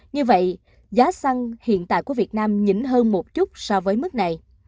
như vậy giá xăng hiện tại của việt nam nhỉnh hơn một chút so với mức này